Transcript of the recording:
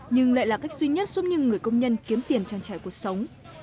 nhưng lại là cách duy nhất giúp nhưng người công nhân kiếm tiền trang trải cuộc sống